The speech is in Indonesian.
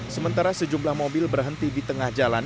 sementara sejumlah mobil berhenti di tengah jalan